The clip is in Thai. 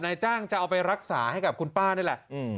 นายจ้างจะเอาไปรักษาให้กับคุณป้านี่แหละ